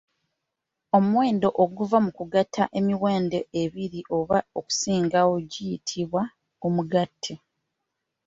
Omuwendo oguva mu kugatta emiwendo ebiri oba okusingawo guyitibwa mugatte